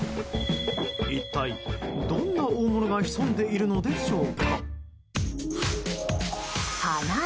一体どんな大物が潜んでいるのでしょうか。